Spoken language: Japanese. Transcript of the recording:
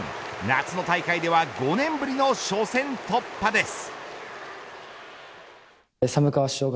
夏の大会では５年ぶりの初戦突破です。